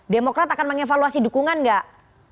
demokrat akan mengevaluasi dukungan nggak